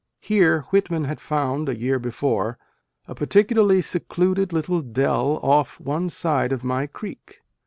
Here Whitman had found, a year before, " a particularly secluded little dell off one side by my creek